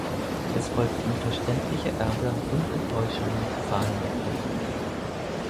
Es folgten verständlicher Ärger und Enttäuschungen zahlender Kunden.